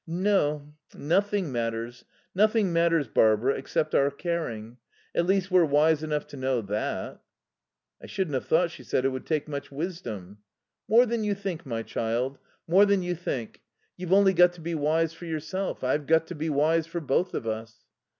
"No. Nothing matters. Nothing matters, Barbara, except our caring. At least we're wise enough to know that." "I shouldn't have thought," she said, "it would take much wisdom." "More than you think, my child; more than you think. You've only got to be wise for yourself. I've got to be wise for both of us."